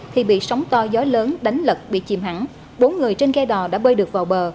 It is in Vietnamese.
thì bị sóng to gió lớn đánh lật bị chìm hẳn bốn người trên ghe đò đã bơi được vào bờ